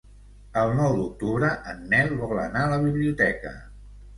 El nou d'octubre en Nel vol anar a la biblioteca.